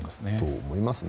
そう思いますね。